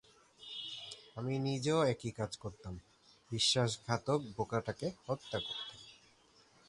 আমি নিজেও একই কাজ করতাম- বিশ্বাসঘাতক বোকাটাকে হত্যা করতাম।